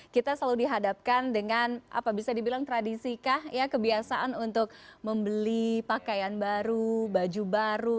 kita selalu dihadapkan dengan apa bisa dibilang tradisikah ya kebiasaan untuk membeli pakaian baru baju baru